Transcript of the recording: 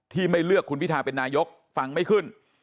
ไม่เลือกคุณพิทาเป็นนายกฟังไม่ขึ้น